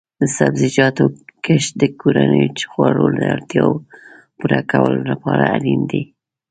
د سبزیجاتو کښت د کورنیو خوړو د اړتیا پوره کولو لپاره اړین دی.